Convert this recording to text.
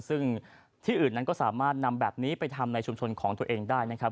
ซึ่งที่อื่นนั้นก็สามารถนำแบบนี้ไปทำในชุมชนของตัวเองได้นะครับ